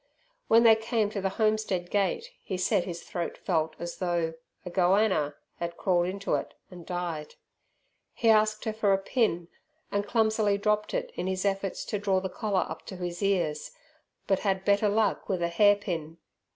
When they came to the homestead gate he said his throat felt as though a "goanner" had crawled into it and died. He asked her for a pin and clumsily dropped it in his efforts to draw the collar up to his ears, but had better luck with a hair pin.